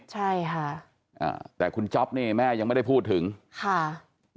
ใช่ค่ะอ่าแต่คุณจ๊อปนี่แม่ยังไม่ได้พูดถึงค่ะ